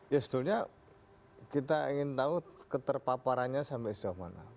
ya sebetulnya kita ingin tahu keterpaparannya sampai sejauh mana